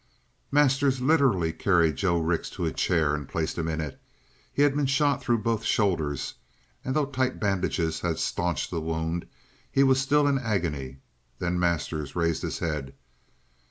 Masters literally carried Joe Rix to a chair and placed him in it. He had been shot through both shoulders, and though tight bandages had stanched the wound he was still in agony. Then Masters raised his head.